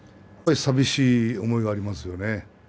やっぱり寂しい思いはありますよね。